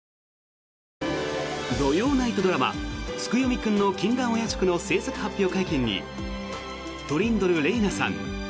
土曜ナイトドラマ「月読くんの禁断お夜食」の制作発表会見にトリンドル玲奈さん